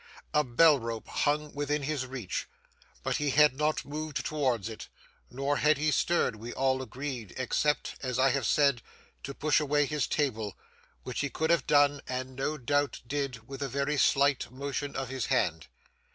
A bell rope hung within his reach, but he had not moved towards it; nor had he stirred, we all agreed, except, as I have said, to push away his table, which he could have done, and no doubt did, with a very slight motion of his hand.